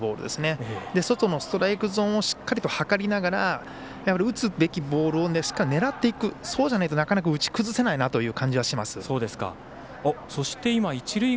真ん中から外のボール外のストライクゾーンしっかりとはかりながら打つべきボールをしっかり狙っていく、そうじゃないとなかなか打ち崩せないなという感じはします。